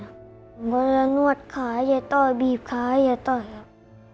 ฝก็จะนวดขาให้ตัวบีบขาให้ตัว